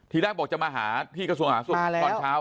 แรกบอกจะมาหาที่กระทรวงหาศุกร์ตอนเช้า